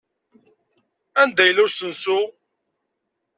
Anda yella usensu?